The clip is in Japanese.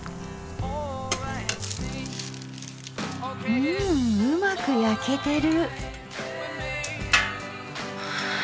うんうまく焼けてる。